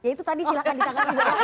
itu tadi silahkan ditanggapi